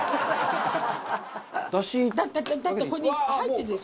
だってここに入ってるでしょ。